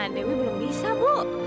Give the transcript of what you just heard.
dewi belum bisa bu